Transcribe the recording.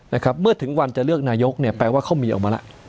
นะครับเมื่อถึงวันจะเลือกนายกเนี่ยแปลว่าเขามีออกมาแล้ว